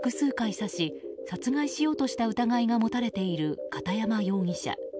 刺し殺害しようとした疑いが持たれている片山容疑者。